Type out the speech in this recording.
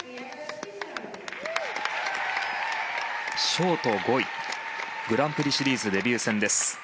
ショート５位グランプリシリーズデビュー戦です。